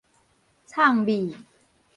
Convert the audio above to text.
藏覕